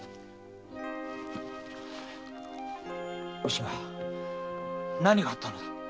おしま何があったのだ？